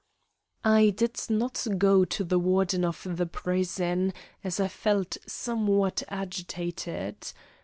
I did not go to the Warden of the prison, as I felt somewhat agitated.